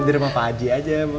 lo di rumah pak haji aja mau gak